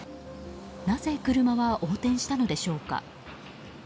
なぜ車は横転したのでしょうか。